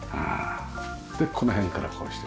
でこの辺からこうして。